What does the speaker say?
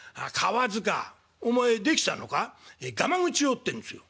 「『がまぐちを』ってんですよ」。